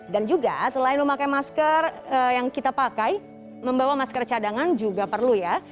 dan juga selain memakai masker yang kita pakai membawa masker cadangan juga perlu ya